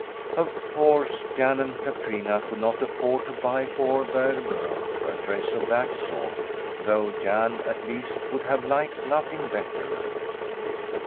Of course Jan and Katrina could not afford to buy for their girl a dress of that sort, though Jan, at least, would have liked nothing better.